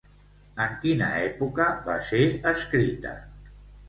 En quina època va ser escrita?